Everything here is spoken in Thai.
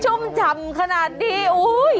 ชุ่มฉำขนาดดีอุ๊ย